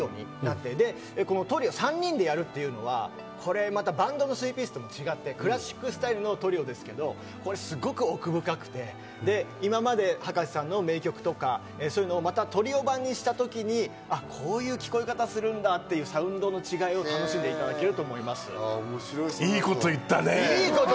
その中でトリオでやって、３人でやるというのはこれまたバンドの３ピースと違ってクラシックスタイルのトリオですけど、奥深くて、今まで葉加瀬さんの名曲とか、そういうのをまたトリオ版にした時にこういう聴こえ方をするんだっていう、サウンドの違いを楽しんでいただけると思います。